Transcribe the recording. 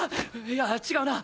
いや違うな。